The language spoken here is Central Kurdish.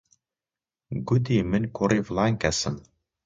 گوتی من کوڕی فڵان کەسم.